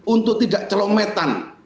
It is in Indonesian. untuk tidak celometan